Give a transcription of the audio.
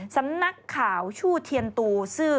สำนักข่าวชู่เทียนตูซื่อ